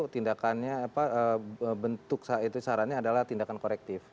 tindakannya bentuk itu sarannya adalah tindakan korektif